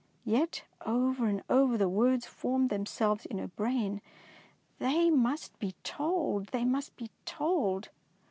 Yet over and over the words formed themselves in her brain, They must be told, they must be told.